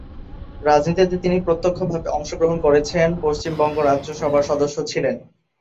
রাজনীতিতে তিনি প্রত্যক্ষভাবে অংশ গ্রহণ করেছেন; পশ্চিমবঙ্গ রাজ্য সভার সদস্য ছিলেন।